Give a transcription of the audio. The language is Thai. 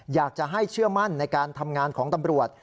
อยากจะให้เชื่อมั่นในการทำงานของตำรวจ